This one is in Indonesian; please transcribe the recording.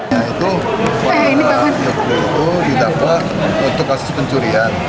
nah itu jpu didakwa untuk asas pencurian